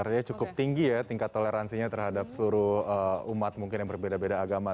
artinya cukup tinggi ya tingkat toleransinya terhadap seluruh umat mungkin yang berbeda beda agama